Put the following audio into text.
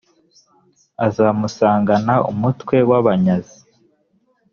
asmusangana umutwe w abanyazi